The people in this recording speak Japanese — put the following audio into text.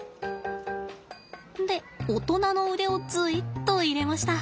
で大人の腕をずいっと入れました。